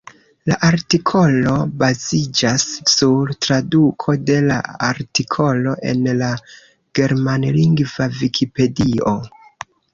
La artikolo baziĝas sur traduko de la artikolo en la germanlingva vikipedio.